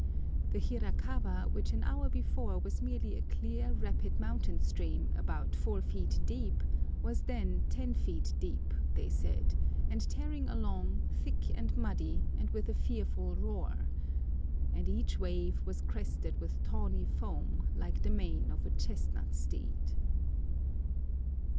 The Hirakawa, which an hour before was merely a clear, rapid mountain stream, about four feet deep, was then ten feet deep, they said, and tearing along, thick and muddy, and with a fearful roar, "And each wave was crested with tawny foam, Like the mane of a chestnut steed."